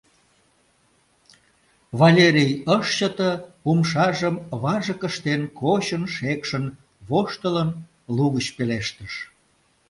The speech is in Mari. Валерий ыш чыте, умшажым важык ыштен, кочын-шекшын воштылын, лугыч пелештыш: